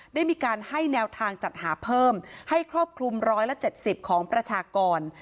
ได้มีการให้แนวทางจัดหาเพิ่มให้ครอบคลุม๑๗๐ของประชากร